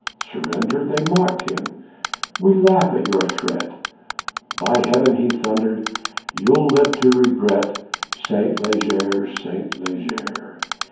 _ Surrender? they mocked him, we laugh at your threat! By Heaven! he thundered, you'll live to regret Saint Leger, Saint Leger!